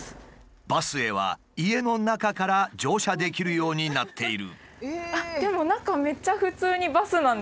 バスへは家の中から乗車できるようになっている。